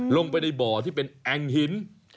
ลงไปในบ่อที่เป็นแอ่งหิน